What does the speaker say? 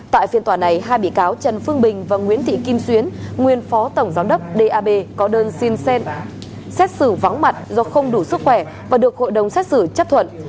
tại phiên tòa này hai bị cáo trần phương bình và nguyễn thị kim xuyến nguyên phó tổng giám đốc dap có đơn xin xét xử vắng mặt do không đủ sức khỏe và được hội đồng xét xử chấp thuận